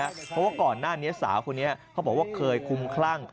เพราะว่าก่อนหน้านี้สาวคนนี้เขาบอกว่าเคยคุ้มคลั่ง